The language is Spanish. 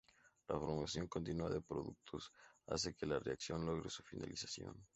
La formación continua de productos hace que la reacción logre su finalización.